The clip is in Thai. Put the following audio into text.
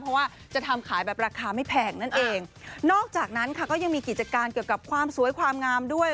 เพราะว่าจะทำขายแบบราคาไม่แพงนั่นเองนอกจากนั้นค่ะก็ยังมีกิจการเกี่ยวกับความสวยความงามด้วย